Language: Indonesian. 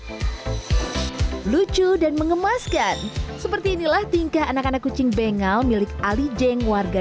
hai lucu dan mengemaskan seperti inilah tingkah anak anak kucing bengal milik alijeng warga